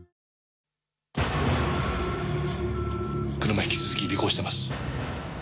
車引き続き尾行してます。